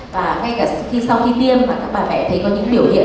và ngay cả khi sau khi tiêm các bà mẹ thấy có những biểu hiện